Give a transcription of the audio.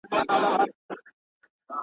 نه خمار مي د چا مات کړ، نه نشې مي کړلې مستې!